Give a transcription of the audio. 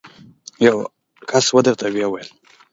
یو کس ودرېد او ویې ویل.